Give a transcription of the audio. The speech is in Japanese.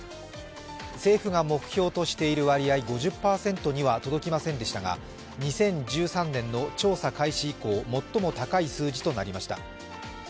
政府が目標としている割合５０％には届きませんでしたが２０１３年の調査開始以降、最も高い数値となりました。